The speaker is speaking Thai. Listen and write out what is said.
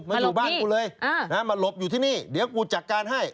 มาหลบอยู่ที่นี่เดี๋ยวกูจัดการให้